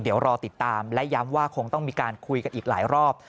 เดี๋ยวรอติดตามและย้ำว่าคงต้องมีการคุยกันอีกหลายรอบ